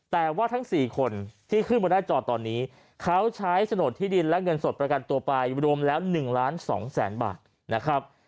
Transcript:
แต่ว่าทั้ง๔คนที่ขึ้นบนหน้าจอตอนนี้เขาใช้โฉนดที่ดินและเงินสดประกันตัวไปรวมแล้ว๑ล้าน๒แสนบาทนะครับ